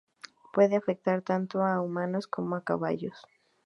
Puede afectar tanto a humanos como a caballos.